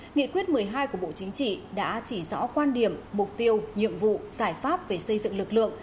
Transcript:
nghị quyết một mươi hai của bộ chính trị đã chỉ rõ quan điểm mục tiêu nhiệm vụ giải pháp về xây dựng lực lượng